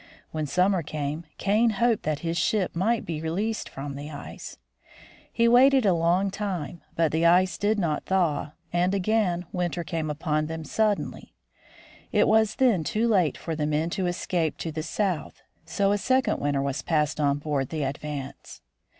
When summer came, Kane hoped that his ship might be released from the ice. He waited a long time, but the ice did not thaw, and again winter came upon them suddenly. It was then too late for the men to escape to the south; so a second winter was passed on board the Advance.